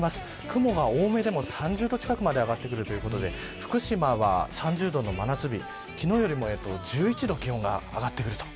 雲が多めでも３０度近くまで上がってくるということで福島は３０度の真夏日昨日よりも１１度気温が上がってきます。